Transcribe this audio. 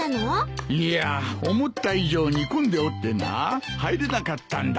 いやあ思った以上に混んでおってな入れなかったんだ。